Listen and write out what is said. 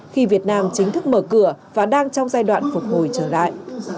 khi việt nam chính thức mở cửa và đang trong giai đoạn phục hồi trở lại